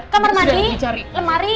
kamar mandi lemari